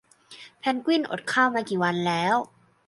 เพนกวินอดข้าวมากี่วันแล้ว